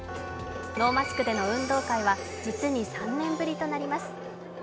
ノーマスクでの運動会は実に３年ぶりとなります。